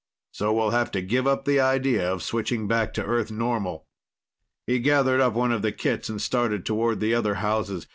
So we'll have to give up the idea of switching back to Earth normal." He gathered up one of the kits and started toward the other houses.